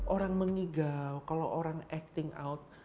orang mengigau kalau orang acting out